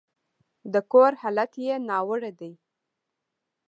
د کور حالت يې ناوړه دی.